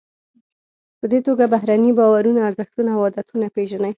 په دې توګه بهرني باورونه، ارزښتونه او عادتونه پیژنئ.